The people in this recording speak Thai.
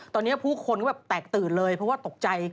ตอนนี้ผู้คนก็แบบแตกตื่นเลยเพราะว่าตกใจ